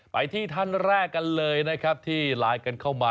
ไปที่ท่านแรกกันเลยนะครับที่ไลน์กันเข้ามา